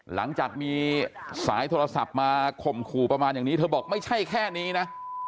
หลังจากมีสายโทรศัพท์มาข่มขู่ประมาณอย่างนี้เธอบอกไม่ใช่แค่นี้นะ